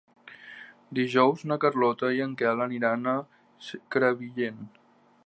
Dijous na Carlota i en Quel aniran a Crevillent.